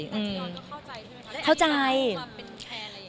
แต่เจยอนก็เข้าใจใช่ไหมคะ